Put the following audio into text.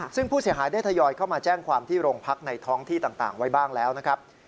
ซึ่งผู้เสียหายได้ทยอยเข้ามาแจ้งความที่โรงพักในท้องที่ต่างไว้บ้างแล้วนะครับ